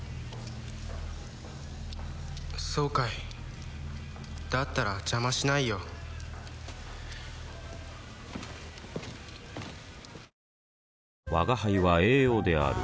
そうかいだったら邪魔しないよ吾輩は栄養である